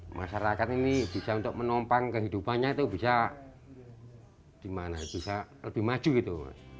masyarakat ini bisa untuk menopang kehidupannya itu bisa dimana bisa lebih maju gitu